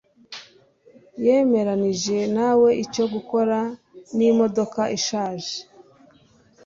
yemeranije nawe icyo gukora n'imodoka ishaje